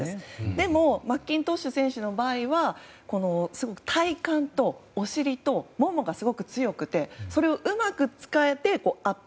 でもマッキントッシュ選手の場合は体幹とお尻とももがすごく強くてそれをうまく使えてアップ